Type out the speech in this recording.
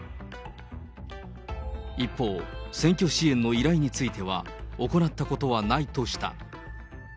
一方、選挙支援の依頼については、行ったことはないとした。